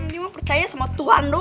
dia mah percaya sama tuhan doang